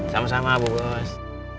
sama sama bu bos